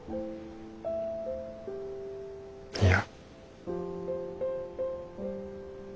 いや。